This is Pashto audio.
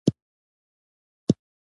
واکمنې ډلې تر ډېره محدودې شوې وې.